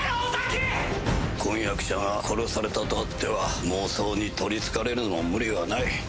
婚約者が殺されたとあっては妄想に取りつかれるのも無理はない。